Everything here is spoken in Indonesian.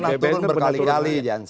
dia pernah turun berkali kali jansen